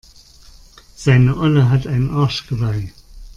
Seine Olle hat ein Arschgeweih.